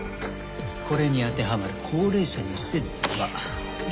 これに当てはまる高齢者の施設は。